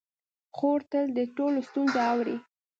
خور تل د ټولو ستونزې اوري.